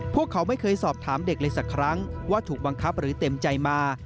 พวกเขาไม่เคยสอบถามเด็กเลยสักครั้งว่าถูกบังคับหรือเต็มใจมา